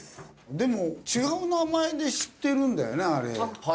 でも違う名前で知ってるんだよねあれ。